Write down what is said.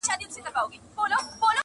• شا و خوا د تورو کاڼو کار و بار دی..